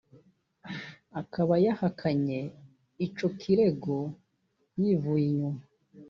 akaba yahakanye ico kirego yivuye inyuma